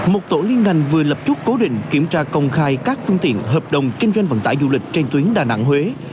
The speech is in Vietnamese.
một tổ liên ngành vừa lập chốt cố định kiểm tra công khai các phương tiện hợp đồng kinh doanh vận tải du lịch trên tuyến đà nẵng huế